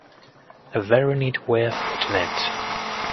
A very neat way of putting it.